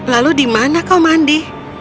lalu di mana kau mandi